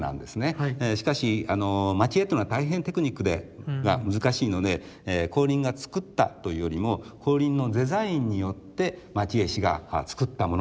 しかし蒔絵というのは大変テクニックが難しいので光琳が作ったというよりも光琳のデザインによって蒔絵師が作ったものなんです。